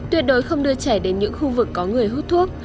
tuyệt đối không đưa trẻ đến những khu vực có người hút thuốc